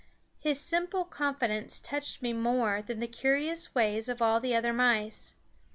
His simple confidence touched me more than the curious ways of all the other mice.